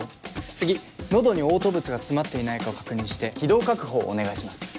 次喉に嘔吐物が詰まっていないかを確認して気道確保をお願いします。